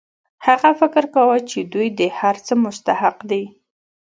هغه فکر کاوه چې دوی د هر څه مستحق دي